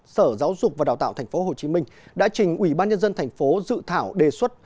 sở giáo dục và đào tạo tp hcm đã trình ủy ban nhân dân thành phố dự thảo đề xuất